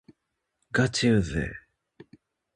がちうぜぇ